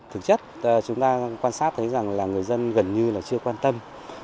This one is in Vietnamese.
thực chất chúng ta quan sát thấy rằng là người dân gần như là chưa quan tâm